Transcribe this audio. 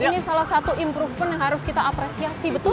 ini salah satu improvement yang harus kita apresiasi betul